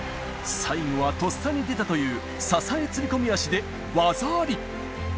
最後はとっさに出たという支え釣り込み足で技あり。